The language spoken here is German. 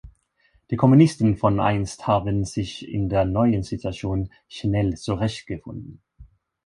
Die Kommunisten von einst haben sich in der neuen Situation schnell zurechtgefunden.